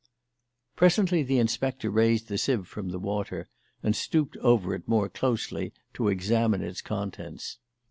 Presently the inspector raised the sieve from the water and stooped over it more closely to examine its contents.